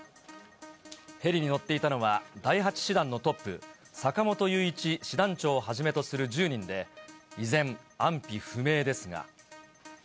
ヘリに乗っていたのは、第８師団のトップ、坂本雄一師団長をはじめとする１０人で、依然、安否不明ですが。